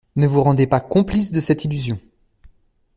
Ne vous rendez pas complice de cette illusion.